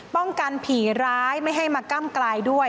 กันผีร้ายไม่ให้มาก้ำกลายด้วย